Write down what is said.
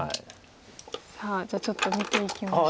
さあじゃあちょっと見ていきましょう。